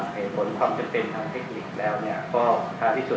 ไม่ว่าจะเป็นโรคภาวน์มอร์แล้วก็ที่สำคัญที่สุดก็คือโรคภาวน์มอร์